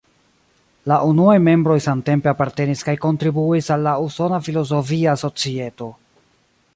La unuaj membroj samtempe apartenis kaj kontribuis al la Usona Filozofia Societo.